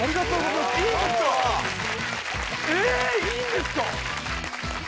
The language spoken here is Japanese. いいんですか。